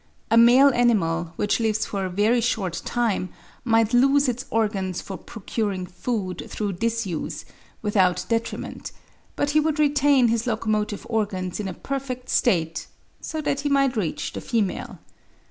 A male animal, which lives for a very short time, might lose its organs for procuring food through disuse, without detriment; but he would retain his locomotive organs in a perfect state, so that he might reach the female.